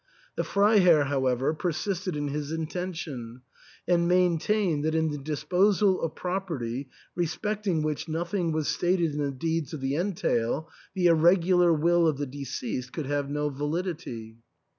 The Freiherr, however, persisted in his inten tion, and maintained that in the disposal of property respecting which nothing was stated in the deeds of the entail the irregular will of the deceased could have no validity.